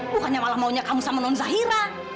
supaya dia malah maunya kamu sama non zahira